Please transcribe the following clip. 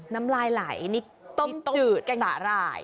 น้ำลายไหลนี่ต้มจืดแกงสาหร่าย